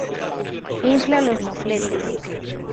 infla los mofletes